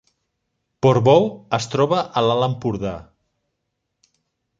Portbou es troba a l’Alt Empordà